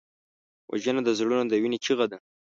وژنه د زړونو د وینې چیغه ده